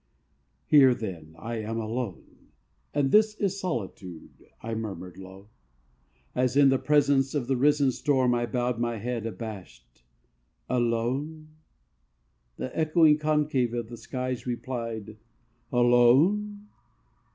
"Here, then, I am alone, And this is solitude, "I murmured low, As in the presence of the risen storm I bowed my head abashed. "Alone?" The echoing concave of the skies replied, "Alone?"